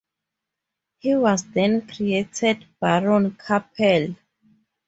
He was then created Baron Capell.